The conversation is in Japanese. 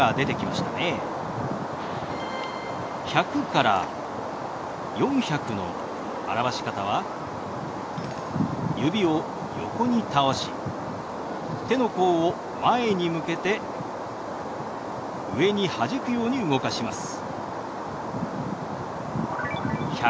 １００から４００の表し方は指を横に倒し手の甲を前に向けて上にはじくように動かします。